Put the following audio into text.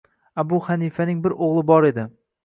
Abu Hanifaning bir o‘g‘li bor edi